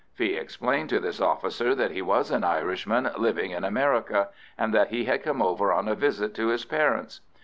Fee explained to this officer that he was an Irishman living in America, and that he had come over on a visit to his parents.